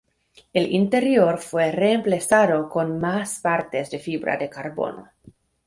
El interior fue reemplazado con más partes de fibra de carbono.